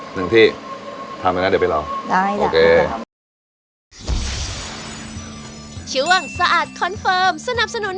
หนึ่งที่ทำด้วยนะเดี๋ยวไปรอ